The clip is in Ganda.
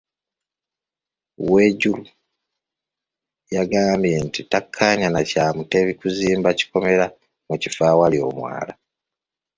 Wejuru yagambye nti takkaanya na kya Mutebi kuzimba kikomera mu kifo awali omwala.